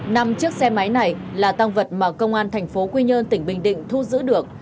năm chiếc xe máy này là tăng vật mà công an thành phố quy nhơn tỉnh bình định thu giữ được